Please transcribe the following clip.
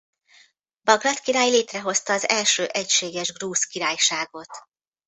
Bagrat király létrehozta az első egységes grúz királyságot.